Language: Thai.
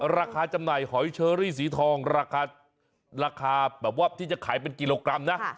ราคาจำหนัยหอยเชอรี่สีทองราคาที่จะขายเป็นกนะ